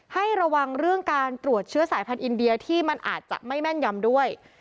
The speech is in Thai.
ให้ระวังเรื่องการตรวจเชื้อสายพันธุอินเดียที่มันอาจจะไม่แม่นยำด้วย